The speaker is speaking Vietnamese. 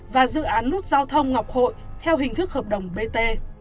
và dự án nút giao thông ngọc hội theo hình thức hợp đồng bt